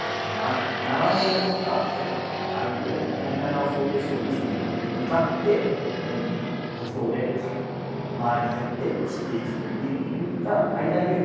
長物を持った相手薙刀を想定してるんですけれども向かって木刀で間合いに入って斬っていくといった相対稽古。